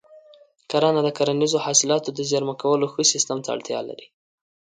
کرنه د کرنیزو حاصلاتو د زېرمه کولو ښه سیستم ته اړتیا لري.